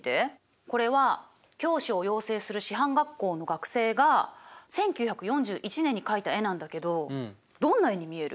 これは教師を養成する師範学校の学生が１９４１年に描いた絵なんだけどどんな絵に見える？